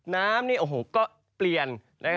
น้ำก็เปลี่ยน